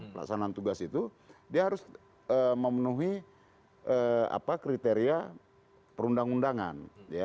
pelaksanaan tugas itu dia harus memenuhi kriteria perundang undangan